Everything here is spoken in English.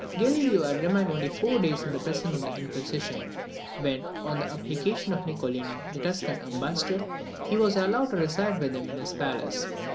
Galileo had remained only four days in the prison of the Inquisition, when, on the application of Niccolini, the Tuscan ambassador, he was allowed to reside with him in his palace.